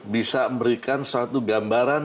bisa memberikan suatu gambaran